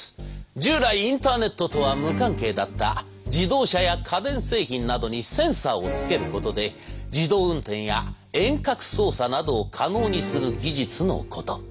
従来インターネットとは無関係だった自動車や家電製品などにセンサーをつけることで自動運転や遠隔操作などを可能にする技術のこと。